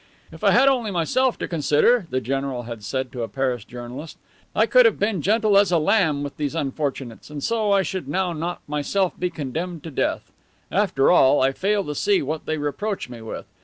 "If I had only myself to consider," the general had said to a Paris journalist, "I could have been gentle as a lamb with these unfortunates, and so I should not now myself be condemned to death. After all, I fail to see what they reproach me with.